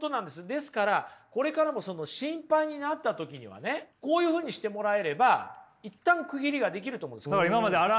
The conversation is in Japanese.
ですからこれからも心配になった時にはねこういうふうにしてもらえれば一旦区切りができると思うんです。